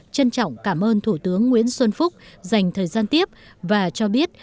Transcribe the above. trân trọng cảm ơn thủ tướng nguyễn xuân phúc dành thời gian tiếp và cho biết